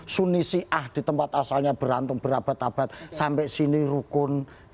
suni siah di tempat asalnya berantem berabad abad sampai sini rukun